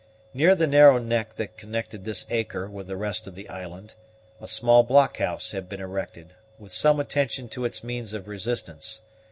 Near the narrow neck that connected this acre with the rest of the island, a small blockhouse had been erected, with some attention to its means of resistance.